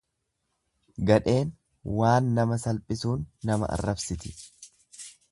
Gadheen waan nama salphisuun nama arrabsiti.